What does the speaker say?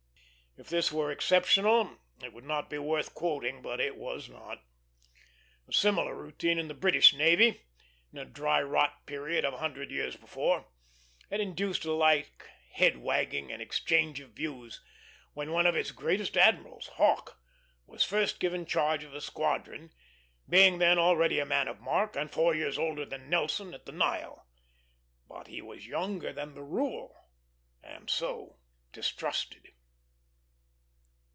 If this were exceptional, it would not be worth quoting, but it was not. A similar routine in the British navy, in a dry rot period of a hundred years before, had induced a like head wagging and exchange of views when one of its greatest admirals, Hawke, was first given charge of a squadron; being then already a man of mark, and four years older than Nelson at the Nile. But he was younger than the rule, and so distrusted.